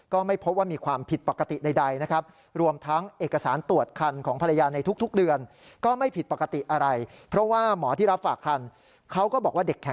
ก็ไม่พบว่ามีความผิดปกติใดนะครับ